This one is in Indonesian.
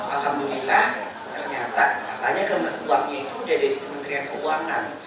alhamdulillah ternyata katanya uangnya itu udah dari kementerian keuangan